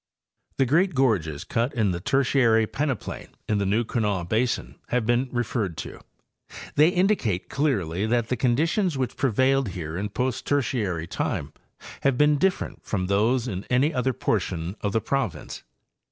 The great gorges cut in the Tertiary peneplain in the New Kanawha basin have been referred to. They indicate clearly that the conditions which prevailed here in post Tertiary time have been different from those in any other portion of the province.